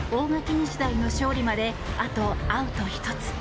日大の勝利まであとアウト１つ。